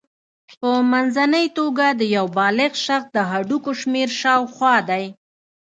په منځنۍ توګه د یو بالغ شخص د هډوکو شمېر شاوخوا دی.